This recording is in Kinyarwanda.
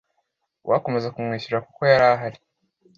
uwakomeza kumwishyurira kuko yari ahari